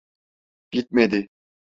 Gitmedi.